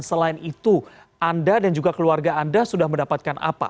selain itu anda dan juga keluarga anda sudah mendapatkan apa